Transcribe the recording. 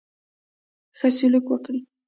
ښه سلوک وکړي.